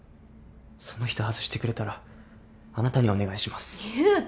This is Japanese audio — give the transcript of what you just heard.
その人外してくれたらあなたにお願いします雄太！